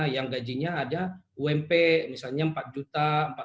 yang gajinya ada ump misalnya empat juta empat lima juta dan sebagainya